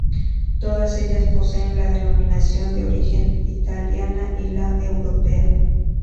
Todas ellas poseen la denominación de origen italiana y la europea.